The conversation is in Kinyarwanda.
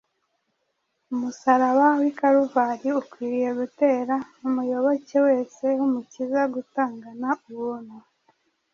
Umusaraba w’i Kaluvari ukwiriye gutera umuyoboke wese w’Umukiza gutangana ubuntu.